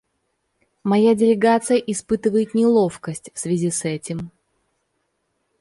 Моя делегация испытывает неловкость в связи с этим.